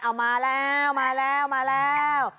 เอามาแล้ว